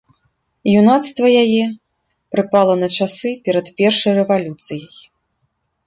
Юнацтва яе прыпала на часы перад першай рэвалюцыяй.